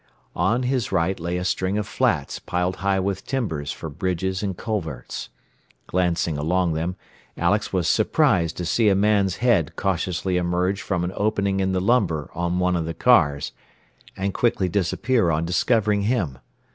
On his right lay a string of flats piled high with timbers for bridges and culverts. Glancing along them, Alex was surprised to see a man's head cautiously emerge from an opening in the lumber on one of the cars, and quickly disappear on discovering him.